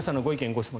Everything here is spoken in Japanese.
・ご質問